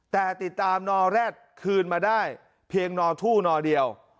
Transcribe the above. แต่ติดตามนอแร็ดคืนมาได้เพียงนอทู่นอเดียว